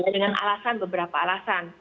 dengan alasan beberapa alasan